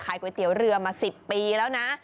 ก๋วยเตี๋ยวเรือมา๑๐ปีแล้วนะ